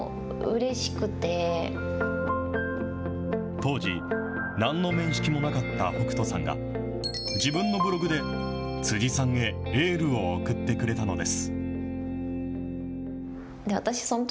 当時、なんの面識もなかった北斗さんが、自分のブログで、辻さんへエールを送ってくれたのです。